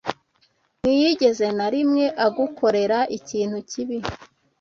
Ntiyigeze na rimwe agukorera ikintu kibi